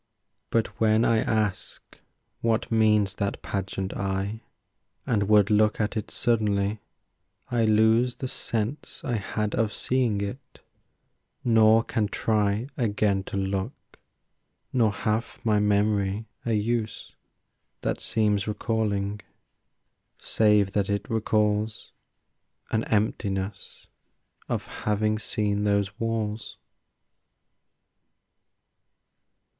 But when I ask what means that pageant I And would look at it suddenly, I lose The sense I had of seeing it, nor can try Again to look, nor hath my memory a use That seems recalling, save that it recalls An emptiness of having seen those walls.